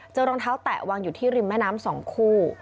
รองเท้าแตะวางอยู่ที่ริมแม่น้ำ๒คู่